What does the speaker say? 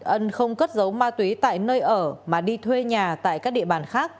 ân không cất giấu ma túy tại nơi ở mà đi thuê nhà tại các địa bàn khác